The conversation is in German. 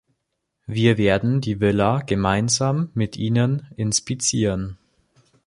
Wir werden die Villa gemeinsam mit ihnen inspizieren.